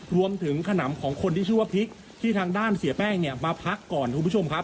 ขนำของคนที่ชื่อว่าพริกที่ทางด้านเสียแป้งเนี่ยมาพักก่อนคุณผู้ชมครับ